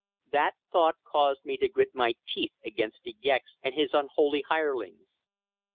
That thought caused me to grit my teeth against De Gex and his unholy hirelings.